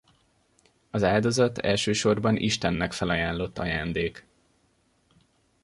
Az áldozat elsősorban Istennek felajánlott ajándék.